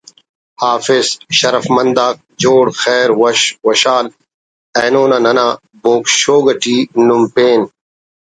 حافظ ٭ شرفمندآک جوڑ خیر وش وشحال اینو نا ننا”بوگ شو“ ٹی نم پین